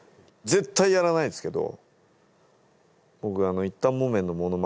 絶対やらないですけど。